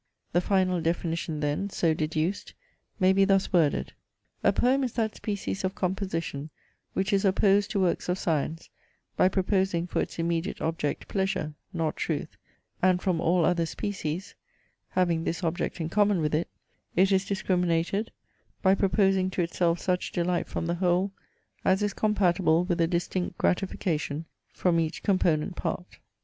The final definition then, so deduced, may be thus worded. A poem is that species of composition, which is opposed to works of science, by proposing for its immediate object pleasure, not truth; and from all other species (having this object in common with it) it is discriminated by proposing to itself such delight from the whole, as is compatible with a distinct gratification from each component part.